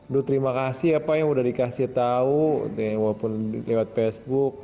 duh terima kasih ya pak yang udah dikasih tahu walaupun lewat facebook